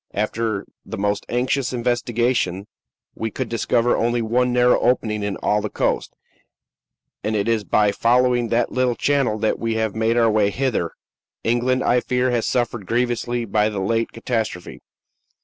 After the most anxious investigation, we could discover only one narrow opening in all the coast, and it is by following that little channel that we have made our way hither. England, I fear, has suffered grievously by the late catastrophe.